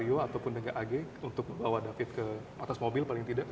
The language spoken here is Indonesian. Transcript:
ada bantuan dari shane dan juga dari mario atau dengan ag untuk membawa david ke atas mobil paling tidak